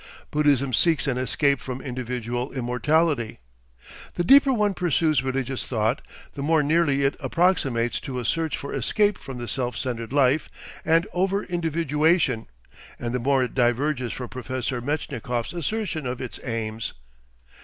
Buddhism seeks an ESCAPE FROM INDIVIDUAL IMMORTALITY. The deeper one pursues religious thought the more nearly it approximates to a search for escape from the self centred life and over individuation, and the more it diverges from Professor Metchnikoff's assertion of its aims.